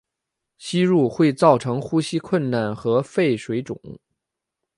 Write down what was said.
吸入会造成呼吸困难和肺水肿。